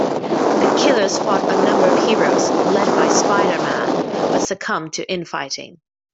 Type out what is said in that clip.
The killers fought a number of heroes, led by Spider-Man, but succumbed to in-fighting.